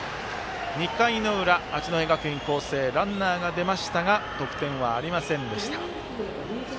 ２回の裏、八戸学院光星ランナーが出ましたが得点はありませんでした。